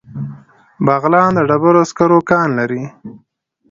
بغلان د ډبرو سکرو کان لري